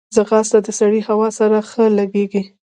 ځغاسته د سړې هوا سره ښه لګیږي